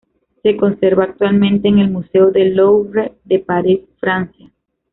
Se conserva actualmente en el Museo del Louvre de París, Francia.